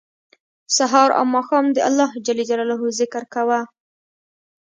سهار او ماښام د الله ج ذکر کوه